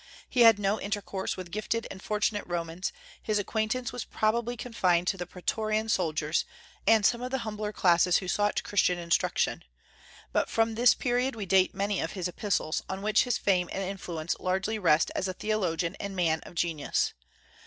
He had no intercourse with gifted and fortunate Romans; his acquaintance was probably confined to the praetorian soldiers, and some of the humbler classes who sought Christian instruction. But from this period we date many of his epistles, on which his fame and influence largely rest as a theologian and man of genius.